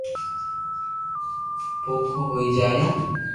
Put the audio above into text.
ڀوکو ھوئي جايو